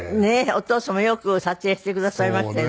お父様よく撮影してくださいましたよね。